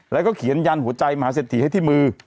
แล้วก็เขียนยันหัวใจมหาเศรษฐีให้ที่มือ